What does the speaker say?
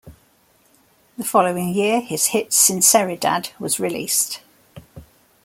The following year his hit "Sinceridad" was released.